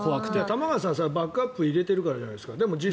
玉川さんはバックアップを入れてるからじゃないですか？